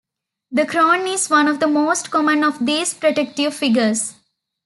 The crone is one of the most common of these protective figures.